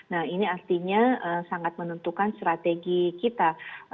nah ini artinya sangat menentukan strategi kita